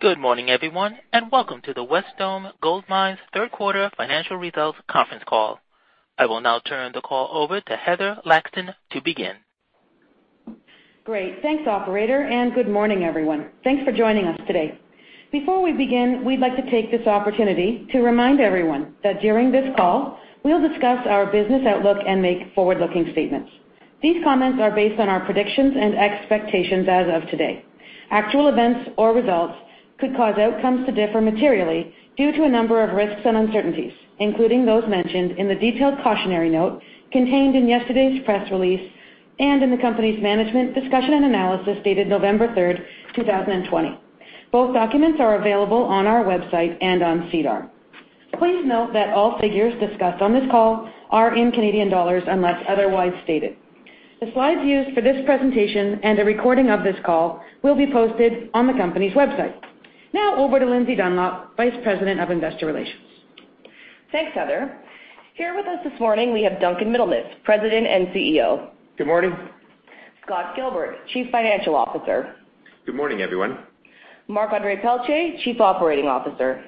Good morning, everyone, and welcome to the Wesdome Gold Mines third quarter financial results conference call. I will now turn the call over to Heather Laxton to begin. Great. Thanks operator, and good morning, everyone. Thanks for joining us today. Before we begin, we'd like to take this opportunity to remind everyone that during this call, we'll discuss our business outlook and make forward-looking statements. These comments are based on our predictions and expectations as of today. Actual events or results could cause outcomes to differ materially due to a number of risks and uncertainties, including those mentioned in the detailed cautionary note contained in yesterday's press release, and in the company's management discussion and analysis dated November 3, 2020. Both documents are available on our website and on SEDAR. Please note that all figures discussed on this call are in Canadian dollars, unless otherwise stated. The slides used for this presentation and a recording of this call will be posted on the company's website. Now over to Lindsay Dunlop, Vice President of Investor Relations. Thanks, Heather. Here with us this morning, we have Duncan Middlemiss, President and CEO. Good morning. Scott Gilbert, Chief Financial Officer. Good morning, everyone. Marc-Andre Pelletier, Chief Operating Officer.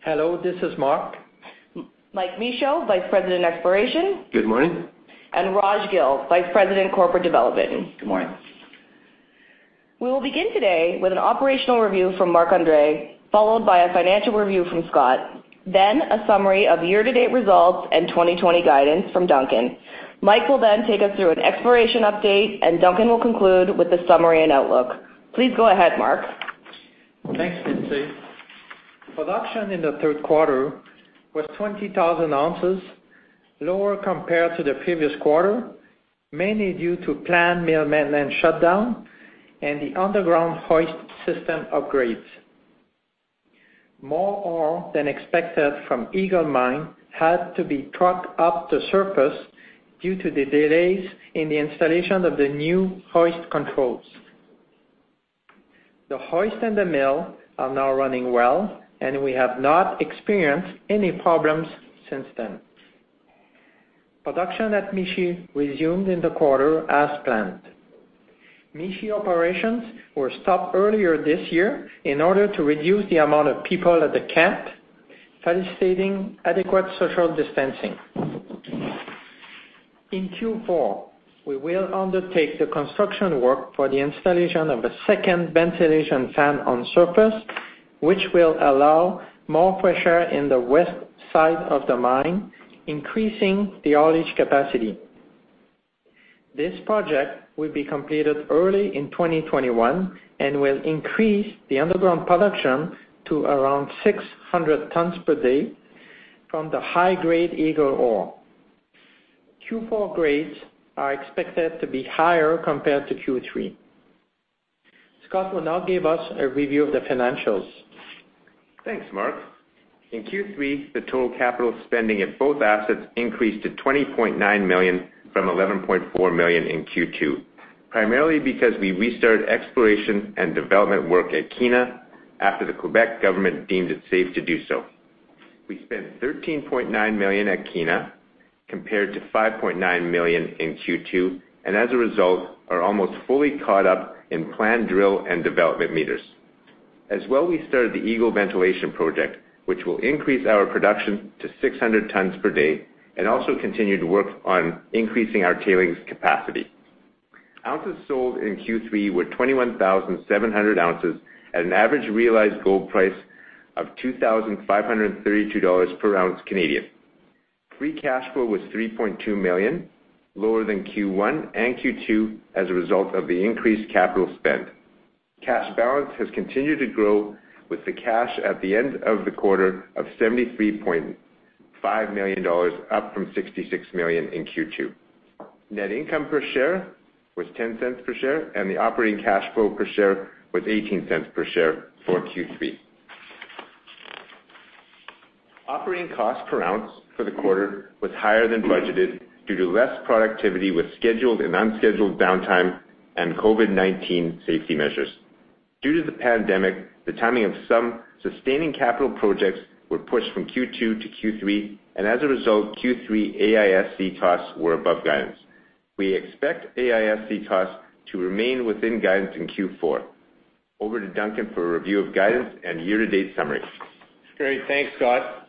Hello, this is Marc. Mike Michaud, Vice President, Exploration. Good morning. Raj Gill, Vice President, Corporate Development. Good morning. We will begin today with an operational review from Marc-Andre, followed by a financial review from Scott, then a summary of year-to-date results and 2020 guidance from Duncan. Mike will then take us through an exploration update, and Duncan will conclude with a summary and outlook. Please go ahead, Marc. Thanks, Lindsay. Production in the third quarter was 20,000 oz, lower compared to the previous quarter, mainly due to planned mill maintenance shutdown and the underground hoist system upgrades. More ore than expected from Eagle Mine had to be trucked up to surface due to the delays in the installation of the new hoist controls. The hoist and the mill are now running well, and we have not experienced any problems since then. Production at Mishi resumed in the quarter as planned. Mishi operations were stopped earlier this year in order to reduce the amount of people at the camp, facilitating adequate social distancing. In Q4, we will undertake the construction work for the installation of a second ventilation fan on surface, which will allow more pressure in the west side of the mine, increasing the ore reach capacity. This project will be completed early in 2021, and will increase the underground production to around 600 tons per day from the high-grade Eagle ore. Q4 grades are expected to be higher compared to Q3. Scott will now give us a review of the financials. Thanks, Marc. In Q3, the total capital spending at both assets increased to 20.9 million from 11.4 million in Q2, primarily because we restarted exploration and development work at Kiena after the Quebec government deemed it safe to do so. We spent 13.9 million at Kiena, compared to 5.9 million in Q2, as a result, are almost fully caught up in planned drill and development meters. As well, we started the Eagle ventilation project, which will increase our production to 600 tons per day, also continue to work on increasing our tailings capacity. Ounces sold in Q3 were 21,700 oz at an average realized gold price of 2,532 dollars per ounce. Free cash flow was 3.2 million, lower than Q1 and Q2 as a result of the increased capital spend. Cash balance has continued to grow with the cash at the end of the quarter of 73.5 million dollars, up from 66 million in Q2. Net income per share was 0.10 per share, and the operating cash flow per share was 0.18 per share for Q3. Operating cost per ounce for the quarter was higher than budgeted due to less productivity with scheduled and unscheduled downtime and COVID-19 safety measures. Due to the pandemic, the timing of some sustaining capital projects were pushed from Q2 to Q3, and as a result, Q3 AISC costs were above guidance. We expect AISC costs to remain within guidance in Q4. Over to Duncan for a review of guidance and year-to-date summary. Great. Thanks, Scott.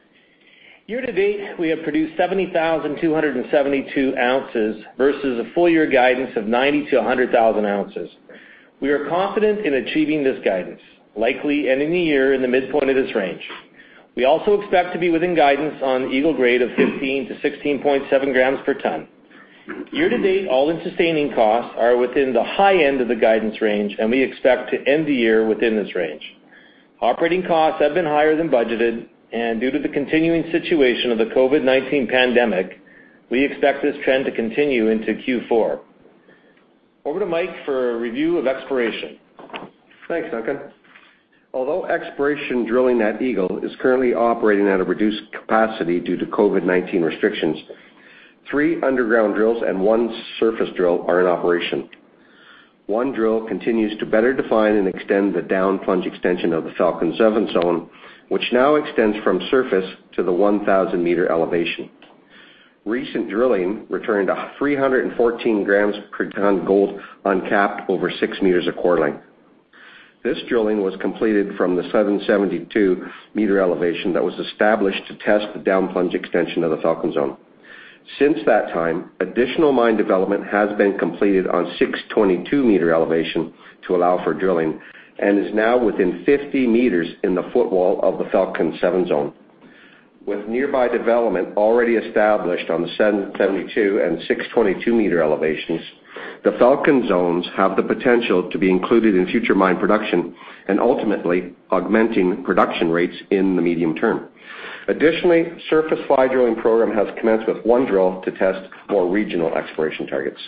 Year to date, we have produced 70,272 ounces versus a full year guidance of 90,000-100,000 oz. We are confident in achieving this guidance, likely ending the year in the midpoint of this range. We also expect to be within guidance on Eagle grade of 15-16.7 g/ton. Year to date, all-in sustaining costs are within the high end of the guidance range, and we expect to end the year within this range. Operating costs have been higher than budgeted, and due to the continuing situation of the COVID-19 pandemic, we expect this trend to continue into Q4. Over to Mike for a review of exploration. Thanks, Duncan. Although exploration drilling at Eagle is currently operating at a reduced capacity due to COVID-19 restrictions, three underground drills and one surface drill are in operation. One drill continues to better define and extend the down plunge extension of the Falcon 7 zone, which now extends from surface to the 1,000-meter elevation. Recent drilling returned 314 g/ton gold uncapped over six meters of quarter length. This drilling was completed from the 772 m elevation that was established to test the down plunge extension of the Falcon zone. Since that time, additional mine development has been completed on 622 m elevation to allow for drilling, and is now within 50 m in the footwall of the Falcon 7 zone. With nearby development already established on the 772 and 622 m elevations, the Falcon zones have the potential to be included in future mine production and ultimately augmenting production rates in the medium term. Surface fly drilling program has commenced with one drill to test more regional exploration targets.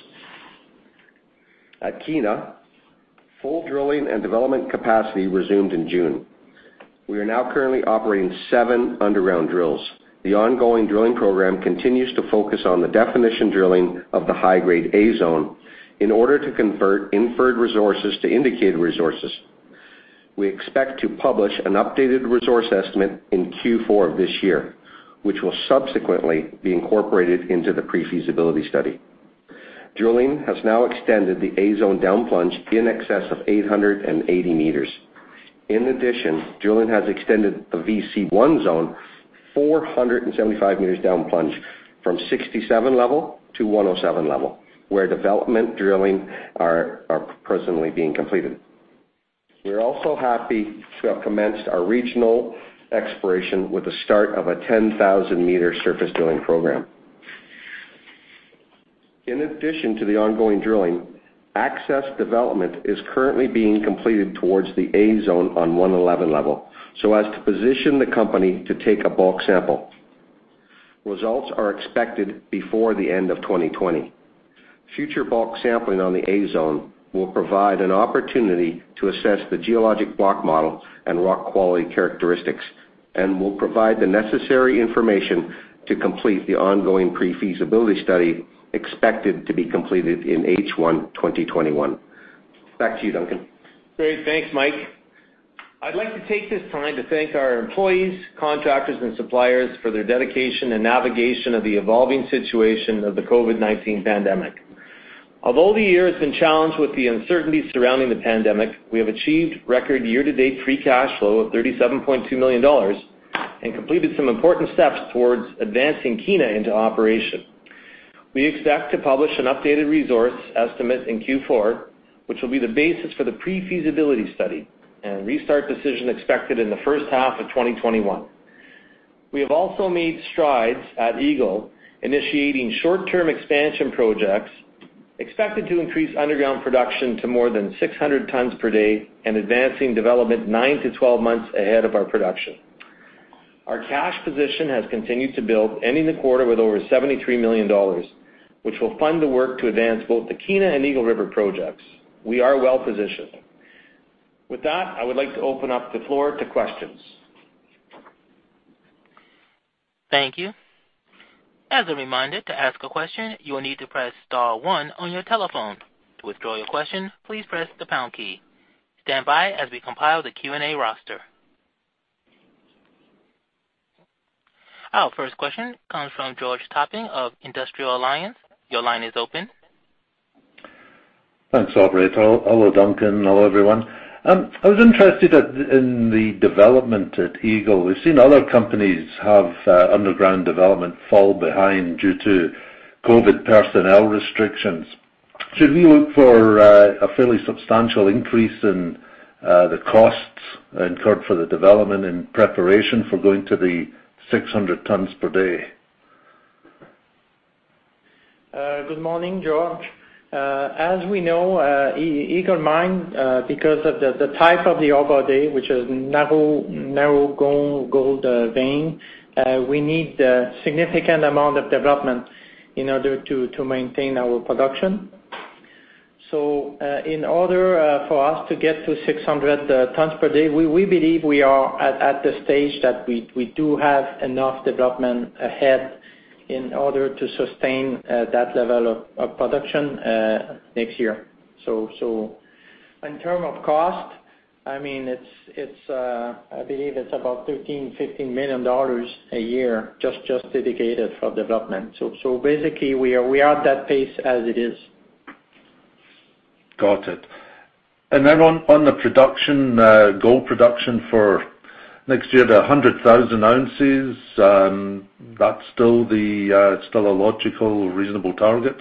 At Kiena, full drilling and development capacity resumed in June. We are now currently operating seven underground drills. The ongoing drilling program continues to focus on the definition drilling of the high-grade A zone in order to convert inferred resources to indicated resources. We expect to publish an updated resource estimate in Q4 of this year, which will subsequently be incorporated into the pre-feasibility study. Drilling has now extended the A zone down plunge in excess of 880 m. In addition, drilling has extended the VC1 zone 475 m down plunge from 67 level to 107 level, where development drilling are presently being completed. We're also happy to have commenced our regional exploration with the start of a 10,000-meter surface drilling program. In addition to the ongoing drilling, access development is currently being completed towards the A zone on 111 level, so as to position the company to take a bulk sample. Results are expected before the end of 2020. Future bulk sampling on the A zone will provide an opportunity to assess the geologic block model and rock quality characteristics, and will provide the necessary information to complete the ongoing pre-feasibility study expected to be completed in H1 2021. Back to you, Duncan. Great. Thanks, Mike. I'd like to take this time to thank our employees, contractors, and suppliers for their dedication and navigation of the evolving situation of the COVID-19 pandemic. The year has been challenged with the uncertainty surrounding the pandemic, we have achieved record year-to-date free cash flow of 37.2 million dollars and completed some important steps towards advancing Kiena into operation. We expect to publish an updated resource estimate in Q4, which will be the basis for the pre-feasibility study, and restart decision expected in the first half of 2021. We have also made strides at Eagle initiating short-term expansion projects expected to increase underground production to more than 600 tons per day and advancing development 9 to 12 months ahead of our production. Our cash position has continued to build, ending the quarter with over 73 million dollars, which will fund the work to advance both the Kiena and Eagle River projects. We are well-positioned. With that, I would like to open up the floor to questions. Thank you. As a reminder, to ask a question, you will need to press star one on your telephone. To withdraw your question, please press the pound key. Stand by as we compile the Q&A roster. Our first question comes from George Topping of Industrial Alliance. Your line is open. Thanks, operator. Hello, Duncan. Hello, everyone. I was interested in the development at Eagle. We've seen other companies have underground development fall behind due to COVID personnel restrictions. Should we look for a fairly substantial increase in the costs incurred for the development in preparation for going to the 600 tons per day? Good morning, George. As we know, Eagle Mine, because of the type of the ore body, which is narrow gold vein, we need a significant amount of development in order to maintain our production. In order for us to get to 600 tons per day, we believe we are at the stage that we do have enough development ahead in order to sustain that level of production next year. In term of cost, I believe it's about 13 million-15 million dollars a year just dedicated for development. Basically, we are at that pace as it is. On the gold production for next year, the 100,000 oz, that's still a logical, reasonable target?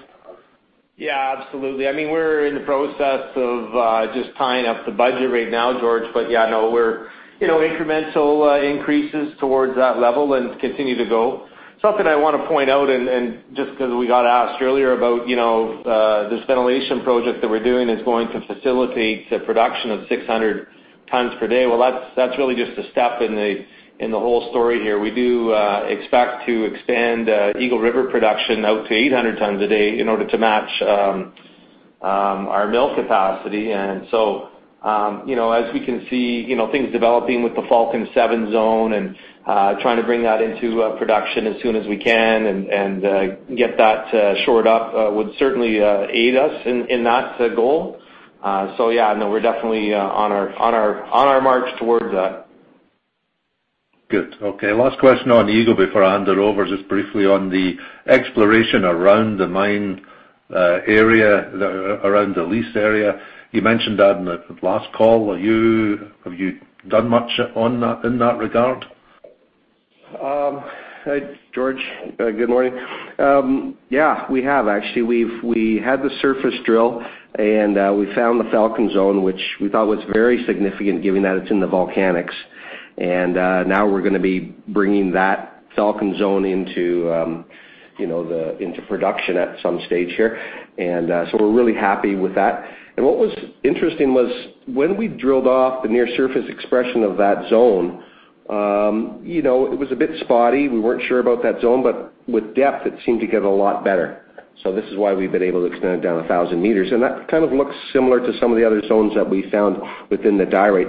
Yeah, absolutely. We're in the process of just tying up the budget right now, George. Yeah, incremental increases towards that level and continue to go. Something I want to point out, just because we got asked earlier about this ventilation project that we're doing is going to facilitate the production of 600 tons per day. Well, that's really just a step in the whole story here. We do expect to expand Eagle River production out to 800 tons a day in order to match our mill capacity. As we can see, things developing with the Falcon 7 zone and trying to bring that into production as soon as we can and get that shored up would certainly aid us in that goal. Yeah, we're definitely on our march towards that. Good. Okay, last question on Eagle before I hand it over, just briefly on the exploration around the mine area, around the lease area. You mentioned that in the last call. Have you done much in that regard? George, good morning. Yeah, we have actually. We had the surface drill, and we found the Falcon Zone, which we thought was very significant given that it's in the volcanics. Now we're going to be bringing that Falcon Zone into production at some stage here. We're really happy with that. What was interesting was when we drilled off the near surface expression of that zone, it was a bit spotty, we weren't sure about that zone, but with depth, it seemed to get a lot better. This is why we've been able to extend it down 1,000 m, and that kind of looks similar to some of the other zones that we found within the diorite.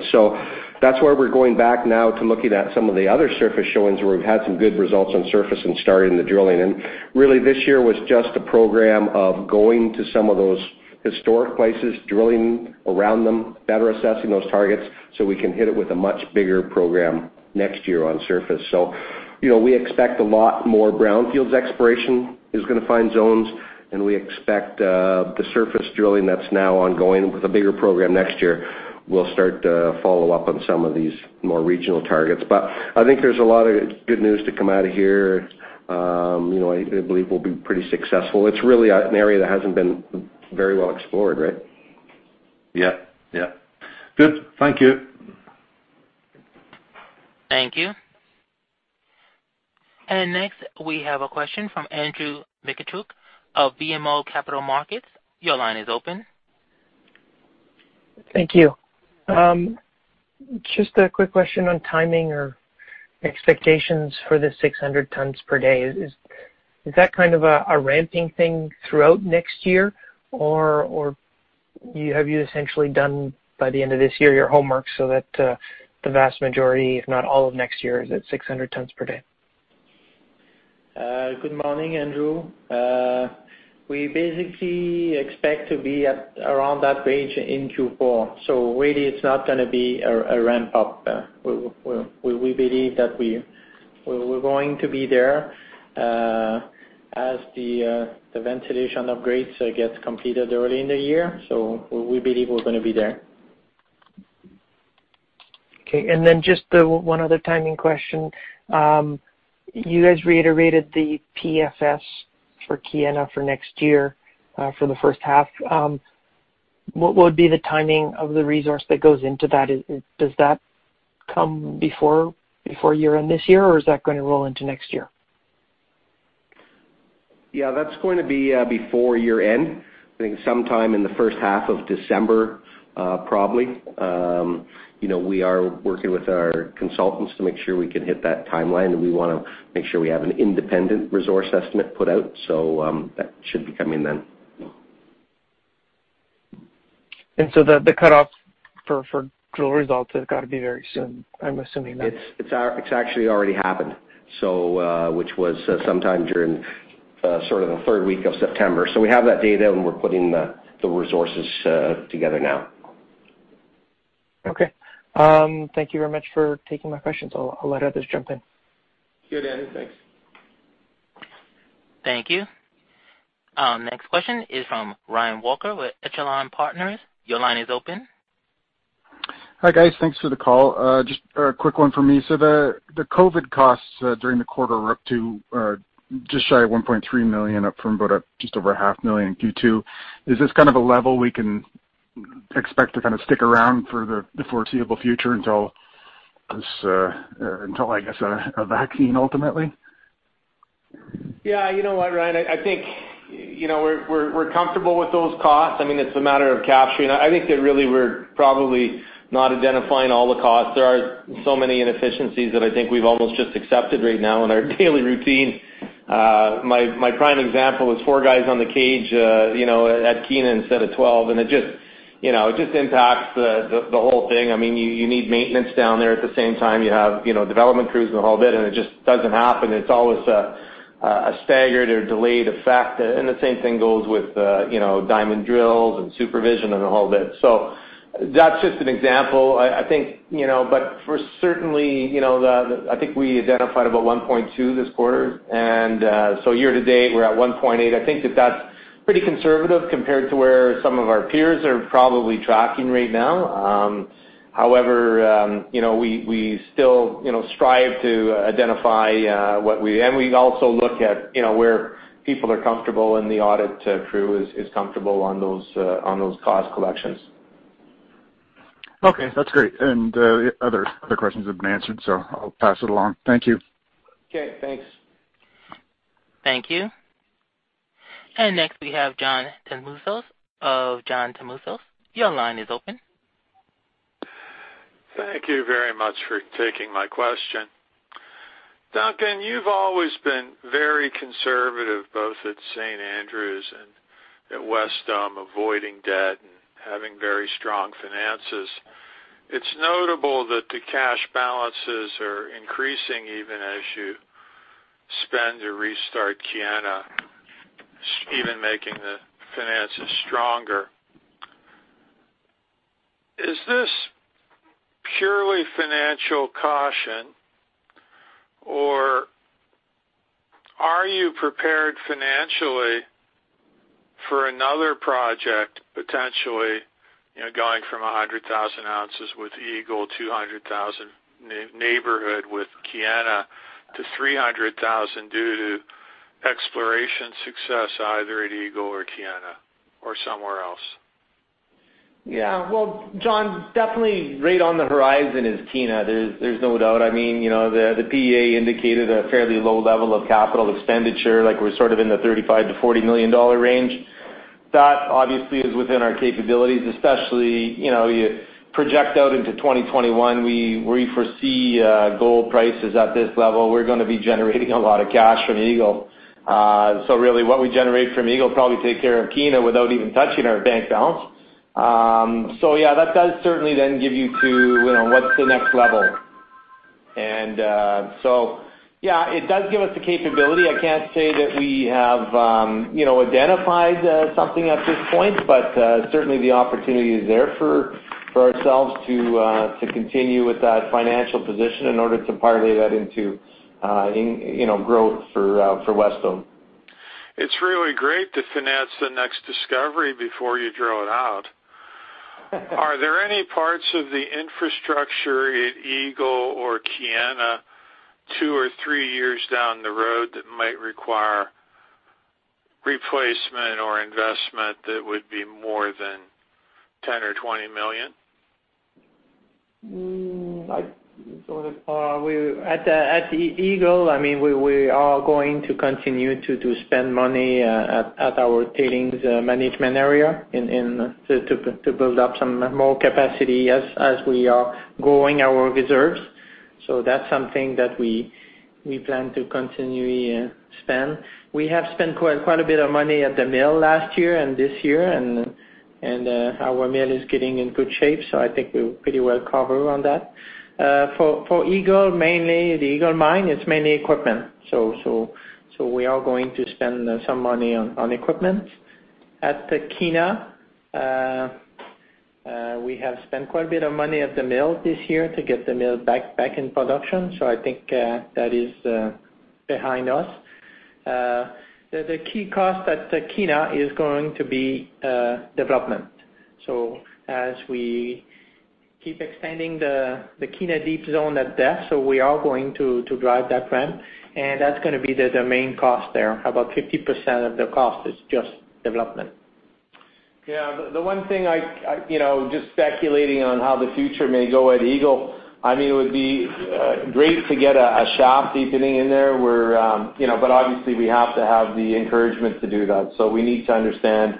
That's why we're going back now to looking at some of the other surface showings where we've had some good results on surface and starting the drilling. Really this year was just a program of going to some of those historic places, drilling around them, better assessing those targets so we can hit it with a much bigger program next year on surface. We expect a lot more brownfields exploration is going to find zones, and we expect, the surface drilling that's now ongoing with a bigger program next year, we'll start to follow up on some of these more regional targets. I think there's a lot of good news to come out of here. I believe we'll be pretty successful. It's really an area that hasn't been very well explored, right? Yeah. Good. Thank you. Thank you. Next, we have a question from Andrew Mikitchook of BMO Capital Markets. Your line is open. Thank you. Just a quick question on timing or expectations for the 600 tons per day. Is that kind of a ramping thing throughout next year, or have you essentially done by the end of this year, your homework, so that, the vast majority, if not all of next year, is at 600 tons per day? Good morning, Andrew. We basically expect to be at around that range in Q4. Really it's not gonna be a ramp up there. We believe that we're going to be there, as the ventilation upgrades gets completed early in the year. We believe we're gonna be there. Okay. Just one other timing question. You guys reiterated the PFS for Kiena for next year, for the first half. What would be the timing of the resource that goes into that? Does that come before year-end this year, or is that going to roll into next year? That's going to be before year end. I think sometime in the first half of December, probably. We are working with our consultants to make sure we can hit that timeline, and we want to make sure we have an independent resource estimate put out. That should be coming then. The cutoffs for drill results have got to be very soon, I'm assuming then. It's actually already happened, which was sometime during the third week of September. We have that data. We're putting the resources together now. Okay. Thank you very much for taking my questions. I'll let others jump in. Sure, Andrew. Thanks. Thank you. Next question is from Ryan Walker with Echelon Partners. Your line is open. Hi, guys. Thanks for the call. Just a quick one for me. The COVID costs during the quarter were up to, just shy of 1.3 million, up from about just over a half million in Q2. Is this a level we can expect to stick around for the foreseeable future until, I guess, a vaccine ultimately? Yeah. You know what, Ryan? I think we're comfortable with those costs. It's a matter of capturing. I think that really we're probably not identifying all the costs. There are so many inefficiencies that I think we've almost just accepted right now in our daily routine. My prime example is four guys on the cage at Kiena instead of 12, and it just impacts the whole thing. You need maintenance down there. At the same time you have development crews and the whole bit, and it just doesn't happen. It's always a staggered or delayed effect. The same thing goes with diamond drills and supervision and the whole bit. That's just an example. I think we identified about 1.2 this quarter, and so year to date we're at 1.8. I think that that's pretty conservative compared to where some of our peers are probably tracking right now. However, we still strive to identify, and we also look at where people are comfortable and the audit crew is comfortable on those cost collections. Okay. That's great. The other questions have been answered, so I'll pass it along. Thank you. Okay, thanks. Thank you. Next we have John Tumazos of John Tumazos. Your line is open. Thank you very much for taking my question. Duncan, you've always been very conservative, both at St. Andrews and at Wesdome, avoiding debt and having very strong finances. It's notable that the cash balances are increasing even as you spend to restart Kiena, even making the finances stronger. Is this purely financial caution, or are you prepared financially for another project, potentially, going from 100,000 oz with Eagle, 200,000 neighborhood with Kiena, to 300,000 due to exploration success either at Eagle or Kiena, or somewhere else? Yeah. Well, John, definitely right on the horizon is Kiena. There's no doubt. The PEA indicated a fairly low level of capital expenditure. We're in the 35 million-40 million dollar range. That obviously is within our capabilities, especially, you project out into 2021, we foresee gold prices at this level. We're going to be generating a lot of cash from Eagle. Really what we generate from Eagle will probably take care of Kiena without even touching our bank balance. Yeah, that does certainly then give you to, what's the next level? Yeah, it does give us the capability. I can't say that we have identified something at this point, but certainly the opportunity is there for ourselves to continue with that financial position in order to parlay that into growth for Wesdome. It's really great to finance the next discovery before you draw it out. Are there any parts of the infrastructure at Eagle or Kiena two or three years down the road that might require replacement or investment that would be more than 10 million or 20 million? At Eagle, we are going to continue to spend money at our tailings management area to build up some more capacity as we are growing our reserves. That's something that we plan to continually spend. We have spent quite a bit of money at the mill last year and this year, and our mill is getting in good shape, so I think we're pretty well covered on that. For Eagle, the Eagle mine, it's mainly equipment, so we are going to spend some money on equipment. At Kiena, we have spent quite a bit of money at the mill this year to get the mill back in production, so I think that is behind us. The key cost at Kiena is going to be development. As we keep extending the Kiena deep zone at depth, so we are going to drive that ramp, and that's going to be the main cost there. About 50% of the cost is just development. Yeah. The one thing, just speculating on how the future may go at Eagle, it would be great to get a shaft deepening in there, but obviously we have to have the encouragement to do that. We need to understand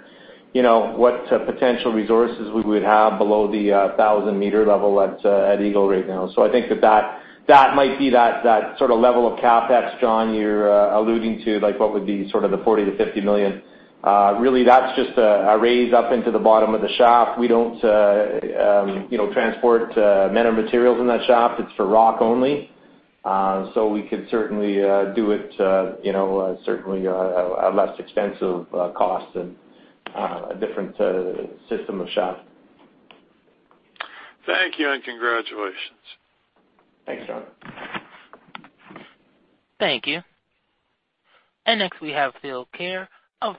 what potential resources we would have below the 1,000 m level at Eagle right now. I think that might be that level of CapEx, John, you're alluding to, like what would be the 40 million-50 million. Really, that's just a raise up into the bottom of the shaft. We don't transport men or materials in that shaft. It's for rock only. We could certainly do it at certainly a less expensive cost and a different system of shaft. Thank you, congratulations. Thanks, John. Thank you. Next we have Phil Ker of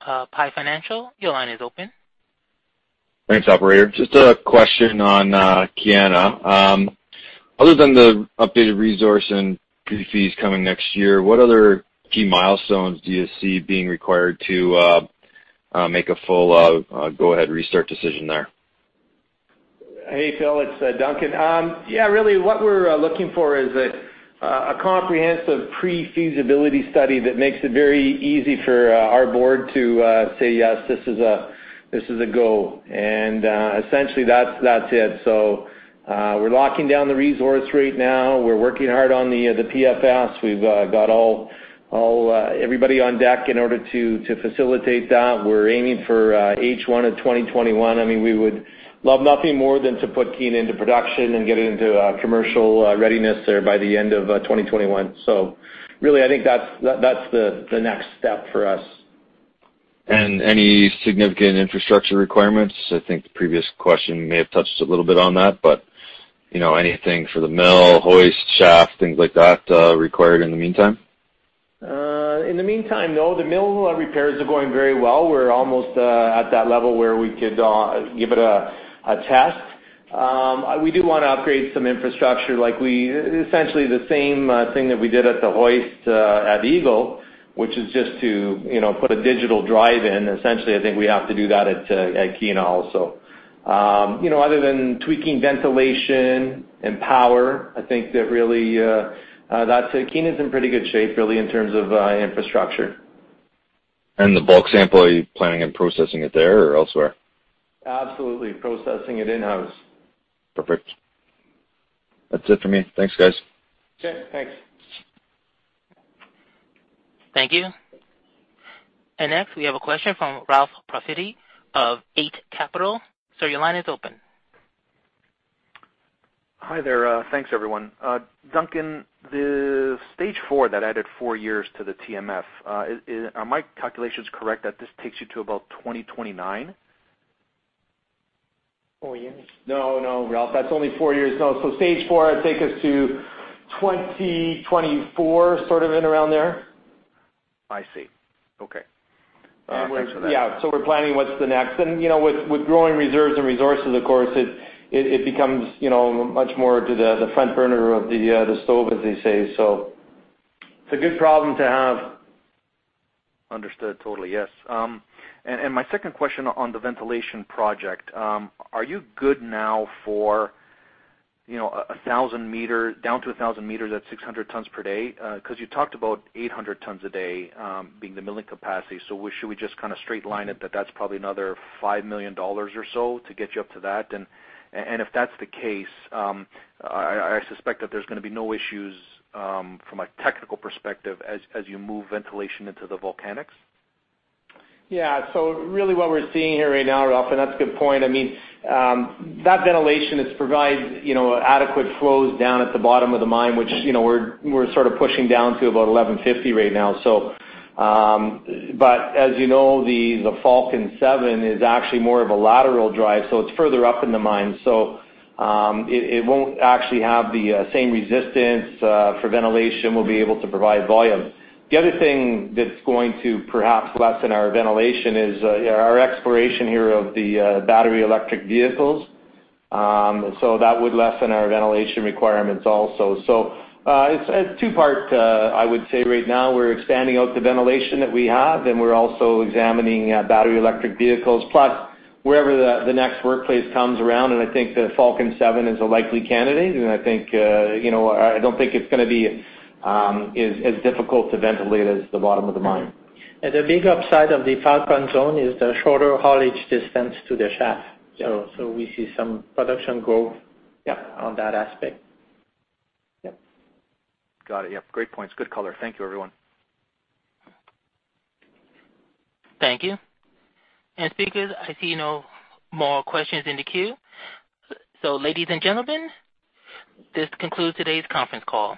PI Financial. Your line is open. Thanks, operator. Just a question on Kiena. Other than the updated resource and PFS coming next year, what other key milestones do you see being required to make a full go ahead restart decision there? Hey, Phil. It's Duncan. What we're looking for is a comprehensive pre-feasibility study that makes it very easy for our board to say, "Yes, this is a go." Essentially that's it. We're locking down the resource right now. We're working hard on the PFS. We've got everybody on deck in order to facilitate that. We're aiming for H1 of 2021. We would love nothing more than to put Kiena into production and get it into commercial readiness there by the end of 2021. I think that's the next step for us. Any significant infrastructure requirements? I think the previous question may have touched a little bit on that, but anything for the mill, hoist, shaft, things like that, required in the meantime? In the meantime, no. The mill repairs are going very well. We're almost at that level where we could give it a test. We do want to upgrade some infrastructure, essentially the same thing that we did at the hoist at Eagle, which is just to put a digital drive in. Essentially, I think we have to do that at Kiena also. Other than tweaking ventilation and power, I think that really Kiena's in pretty good shape, really, in terms of infrastructure. The bulk sample, are you planning on processing it there or elsewhere? Absolutely, processing it in-house. Perfect. That's it for me. Thanks, guys. Sure. Thanks. Thank you. Next we have a question from Ralph Profiti of Eight Capital. Sir, your line is open. Hi there. Thanks everyone. Duncan, the stage four that added four years to the TMF, are my calculations correct that this takes you to about 2029? Four years. No, Ralph, that is only four years. No. Stage four will take us to 2024, sort of in around there. I see. Okay. Thanks for that. Yeah. We're planning what's the next. With growing reserves and resources, of course, it becomes much more to the front burner of the stove, as they say. It's a good problem to have. Understood. Totally. Yes. My second question on the ventilation project, are you good now for down to 1,000 m at 600 tons per day? Because you talked about 800 tons a day being the milling capacity. Should we just kind of straight line it that that's probably another 5 million dollars or so to get you up to that? If that's the case, I suspect that there's going to be no issues, from a technical perspective, as you move ventilation into the volcanics. Yeah. Really what we're seeing here right now, Ralph, and that's a good point. That ventilation, it provides adequate flows down at the bottom of the mine, which we're sort of pushing down to about 1,150 right now. As you know, the Falcon Seven is actually more of a lateral drive, so it's further up in the mine. It won't actually have the same resistance for ventilation. We'll be able to provide volume. The other thing that's going to perhaps lessen our ventilation is our exploration here of the battery electric vehicles. That would lessen our ventilation requirements also. It's two-part, I would say right now. We're expanding out the ventilation that we have, and we're also examining battery electric vehicles. Wherever the next workplace comes around, and I think the Falcon Seven is a likely candidate, I don't think it's going to be as difficult to ventilate as the bottom of the mine. The big upside of the Falcon zone is the shorter haulage distance to the shaft. We see some production growth on that aspect. Yep. Got it. Yep. Great points. Good color. Thank you, everyone. Thank you. Speakers, I see no more questions in the queue. Ladies and gentlemen, this concludes today's conference call.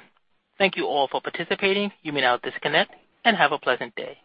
Thank you all for participating. You may now disconnect and have a pleasant day.